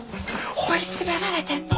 追い詰められてんの！